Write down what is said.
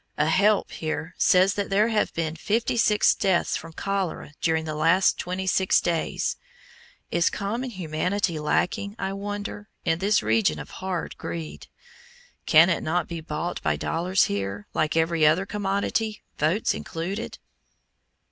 A "help" here says that there have been fifty six deaths from cholera during the last twenty days. Is common humanity lacking, I wonder, in this region of hard greed? Can it not be bought by dollars here, like every other commodity, votes included?